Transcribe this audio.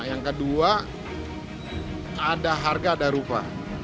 yang kedua ada harga ada rupa